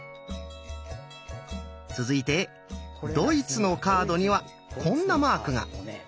続いてドイツのカードにはこんなマークが。